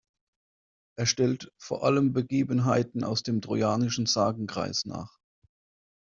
Er stellt vor allem Begebenheiten aus dem Trojanischen Sagenkreis nach.